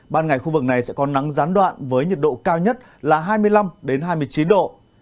ban ngày khu vực này sẽ có nắng gián đoạn với nhiệt độ cao nhất là hai mươi năm hai mươi chín độ